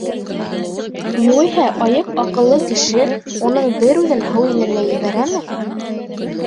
Юғиһә, айыҡ аҡыллы кеше уның бер үҙен һыу инергә ебәрәме?